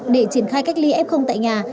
để triển khai cách ly f tại nhà